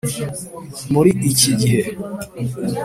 muri iki gihe